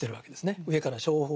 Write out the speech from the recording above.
上から正法